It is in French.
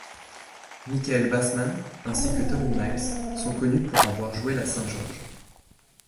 Michael Basman, ainsi que Tony Miles, sont connus pour avoir joué la Saint Georges.